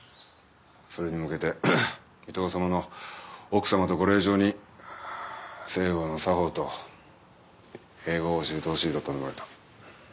それに向けて伊藤様の奥様とご令嬢に西洋の作法と英語を教えてほしいと頼まれた。